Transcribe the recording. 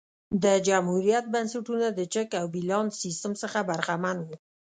د جمهوریت بنسټونه د چک او بیلانس سیستم څخه برخمن وو